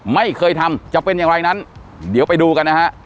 ไม่เคยทำจะเป็นอย่างไรนั้นเดี๋ยวไปดูกันนะฮะ